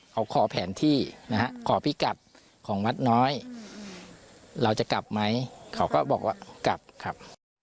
เขาขอแผนที่นะฮะขอพิกัดของวัดน้อยเราจะกลับไหมเขาก็บอกว่ากลับครับ